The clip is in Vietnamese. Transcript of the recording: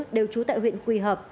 đều trú tại huyện quỳ hợp